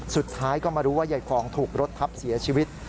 สุดท้ายก็มารู้ว่ายายฟองถูกรถทับเสียชีวิต